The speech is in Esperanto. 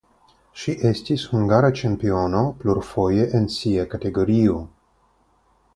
Ŝi estis hungara ĉampiono plurfoje en sia kategorio.